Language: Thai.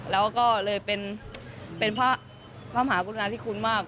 แล้วก็เลยเป็นพระมหากุณฑาที่คุ้นมาก